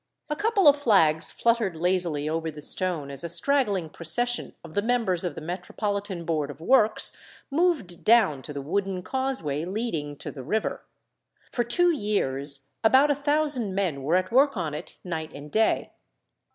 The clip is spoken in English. A couple of flags fluttered lazily over the stone as a straggling procession of the members of the Metropolitan Board of Works moved down to the wooden causeway leading to the river. For two years about a thousand men were at work on it night and day.